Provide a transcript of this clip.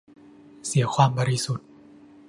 เสียความบริสุทธิ์